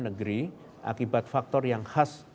negeri akibat faktor yang khas